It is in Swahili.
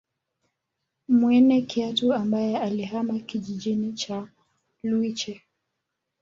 Mwene Kiatu ambaye alihamia kijiji cha Lwiche